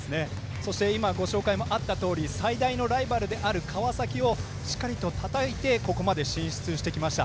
そして今、ご紹介もあったとおり最大のライバルである川崎をしっかりとたたいてここまで進出してきました。